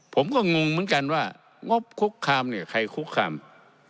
ผมก็งงเหมือนกันว่างบคุกคามเนี่ยใครคุกคาม